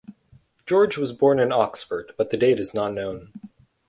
George was born in Oxford but the date in not known.